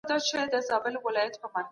هغه خپل ځواک او ځواکمنان جلب کړل.